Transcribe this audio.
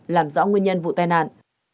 làm rõ nguyên nhân vụ tai nạn